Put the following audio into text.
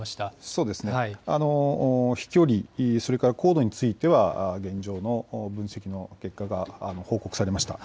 そうですね、飛距離、それから高度については、現状の分析の結果が報告されました。